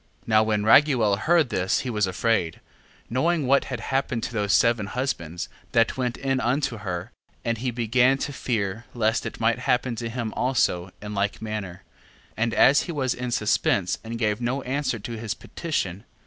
7:11. Now when Raguel heard this he was afraid, knowing what had happened to those seven husbands, that went in unto her: and he began to fear lest it might happen to him also in like manner: and as he was in suspense, and gave no answer to his petition, 7:12.